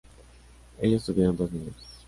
Ellos tuvieron dos niños.